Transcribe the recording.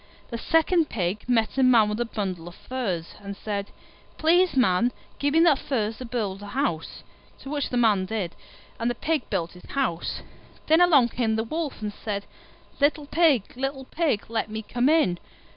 The second Pig met a Man with a bundle of furze, and said, "Please, Man, give me that furze to build a house"; which the Man did, and the Pig built his house. Then along came the Wolf and said, "Little Pig, little Pig, let me come in."